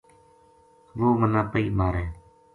وہ منا پیئے مارے